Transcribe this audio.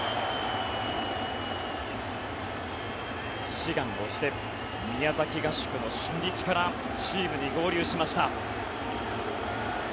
志願をして宮崎合宿の初日からチームに合流しました。